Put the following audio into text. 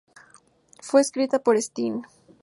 Fue escrita por Sting.